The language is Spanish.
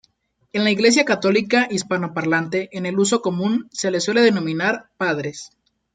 En la Iglesia Católica hispanoparlante en el uso común se les suele denominar 'padres'.